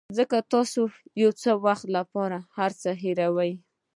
ځکه تاسو د یو څه وخت لپاره هر څه هیروئ.